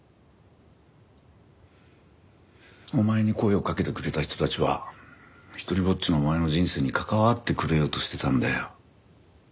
お前に声をかけてくれた人たちは独りぼっちのお前の人生に関わってくれようとしてたんだよ。